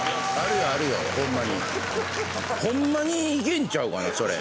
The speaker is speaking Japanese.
ホンマにいけんちゃうかなそれ。